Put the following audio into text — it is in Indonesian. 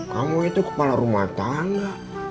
kamu itu kepala rumah tangga